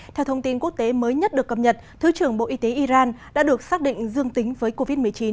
theo thông tin quốc tế mới nhất được cập nhật thứ trưởng bộ y tế iran đã được xác định dương tính với covid một mươi chín